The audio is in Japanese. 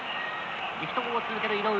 力投を続ける井上。